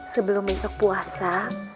sebelum besok puasa